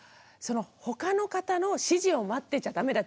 ほかの方の指示を待ってちゃダメだ。